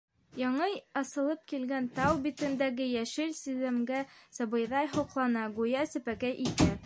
Яңы асылып килгән тау битендәге йәшел сиҙәмгә сабыйҙай һоҡлана, гүйә, сәпәкәй итә.